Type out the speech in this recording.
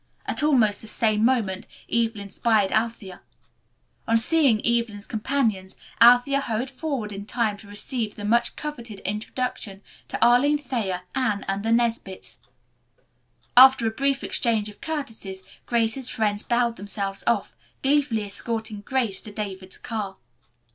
At almost the same moment Evelyn spied Althea. On seeing Evelyn's companions, Althea hurried forward in time to receive the much coveted introduction to Arline Thayer, Anne and the Nesbits. After a brief exchange of courtesies Grace's friends bowed themselves off, gleefully escorting Grace to David's car.